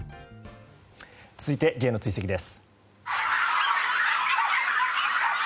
続いてＪの追跡です。